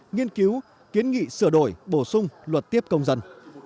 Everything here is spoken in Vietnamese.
nghiên cứu kiến nghị sửa đổi bổ sung luật tiếp công dân